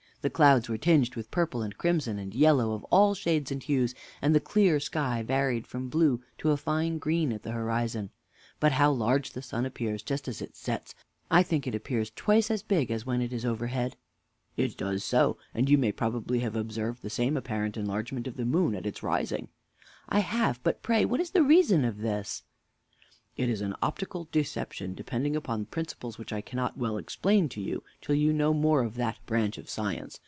The clouds were tinged with purple and crimson and yellow of all shades and hues, and the clear sky varied from blue to a fine green at the horizon. But how large the sun appears just as it sets! I think it seems twice as big as when it is overhead. Mr. A. It does so; and you may probably have observed the same apparent enlargement of the moon at its rising. W. I have; but pray what is the reason of this? Mr. A. It is an optical deception, depending upon principles which I cannot well explain to you till you know more of that branch of science.